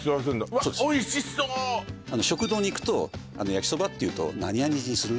わっおいしそう食堂に行くと焼きそばっていうと「何味にする？」